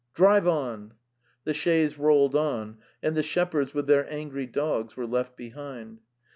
..)."'* Drive on!" The chaise rolled on and the shepherds, with their angry dogs, were left behind.